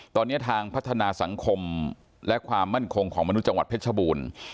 ตอนนี้ทางพัฒนาสังคมและความมั่นคงของมนุษย์จังหวัดเพชรบูรณ์